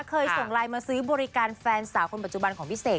เคยส่งไลน์มาซื้อบริการแฟนสาวคนปัจจุบันของพี่เสก